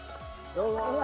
どうも。